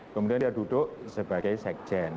kemudian dia duduk sebagai sekjen